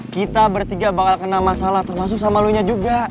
kita bertiga bakal kena masalah termasuk sama lo nya juga